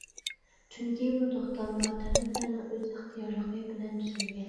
چۈنكى بۇ توختاملار تەرەپلەرنىڭ ئۆز ئىختىيارلىقى بىلەن تۈزۈلگەن.